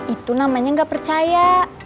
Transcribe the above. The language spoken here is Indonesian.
itu namanya gak percaya